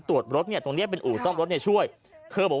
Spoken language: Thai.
ตรวจรถเนี่ยตรงเนี้ยเป็นอู่ซ่อมรถเนี่ยช่วยเธอบอก